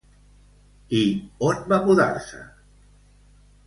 I on va mudar-se?